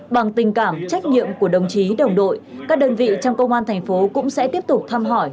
bằng tình cảm trách nhiệm của đồng chí đồng đội các đơn vị trong công an thành phố cũng sẽ tiếp tục thăm hỏi